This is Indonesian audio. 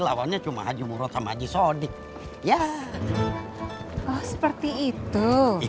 lawannya cuma haji murot sama di shodik ya oh seperti itu